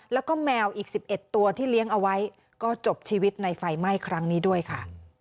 แล้วก็แมวอีก๑๑ตัวที่เลี้ยงเอาไว้ก็จบชีวิตในไฟไหม้ครั้งนี้ด้วยค่ะ